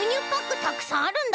たくさんあるんだけどな。